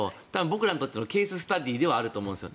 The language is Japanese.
僕らにとってのケーススタディであると思うんです。